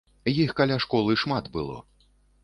Іх каля школы шмат было.